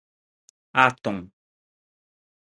atom